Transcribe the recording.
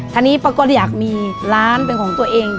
ทีนี้ป้าก็อยากมีร้านเป็นของตัวเอง